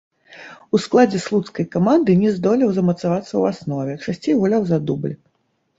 У складзе слуцкай каманды не здолеў замацавацца ў аснове, часцей гуляў за дубль.